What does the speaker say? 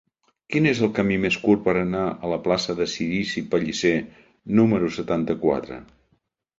Quin és el camí més curt per anar a la plaça de Cirici Pellicer número setanta-quatre?